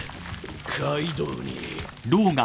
カイドウに。